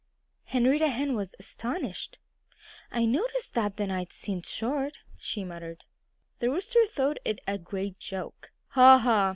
Henrietta Hen was astonished. "I noticed that the night seemed short," she muttered. The Rooster thought it a great joke. "Ha! ha!"